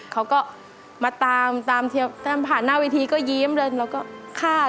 เขาก็มาตามตามผ่านหน้าเวทีก็ยิ้มเลยแล้วก็ฆ่า